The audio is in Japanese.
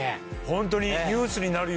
ホントに。